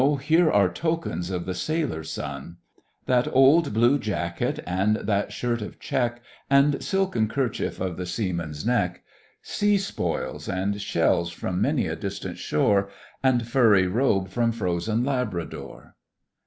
here are tokens of the Sailor son; That old blue jacket, and that shirt of check, And silken kerchief for the seaman's neck; Sea spoils and shells from many a distant shore, And furry robe from frozen Labrador.